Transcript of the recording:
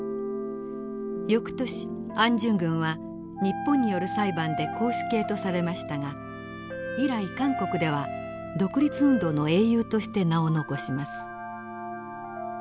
翌年アン・ジュングンは日本による裁判で絞首刑とされましたが以来韓国では独立運動の英雄として名を残します。